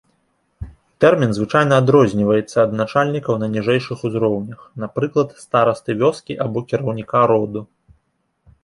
Тэрмін звычайна адрозніваецца ад начальнікаў на ніжэйшых узроўнях, напрыклад, старасты вёскі або кіраўніка роду.